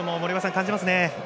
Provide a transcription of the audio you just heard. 感じますね。